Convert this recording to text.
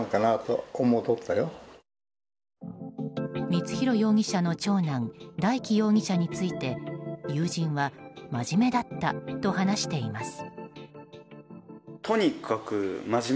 光弘容疑者の長男大祈容疑者について友人は真面目だったと話しています。